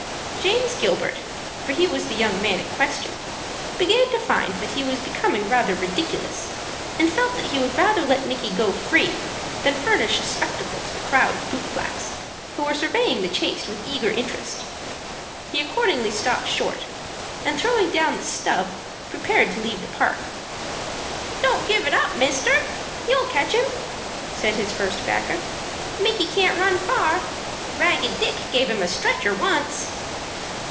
James Gilbert, for he was the young man in question, began to find that he was becoming rather ridiculous, and felt that he would rather let Micky go free than furnish a spectacle to the crowd of boot blacks who were surveying the chase with eager interest. He accordingly stopped short, and, throwing down the "stub," prepared to leave the park. "Don't give it up, mister! You'll catch him," said his first backer. "Micky can't run far. Ragged Dick give him a stretcher once."